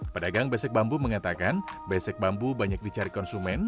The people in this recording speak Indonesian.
pedagang besek bambu mengatakan besek bambu banyak dicari konsumen